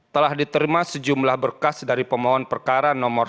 telah diterima sejumlah berkas dari pemohon perkara nomor satu